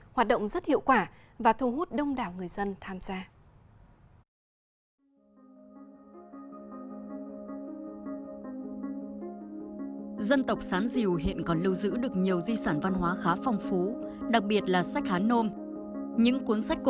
hoạt động rất hiệu quả và thu hút đông đảo người dân tham gia